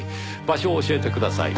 場所を教えてください。